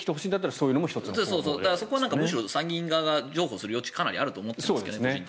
そこは参議院側が譲歩する余地はかなりあると思っていますけどね。